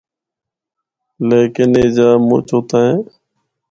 لیکن اے جا مُچ اُتاں ہے۔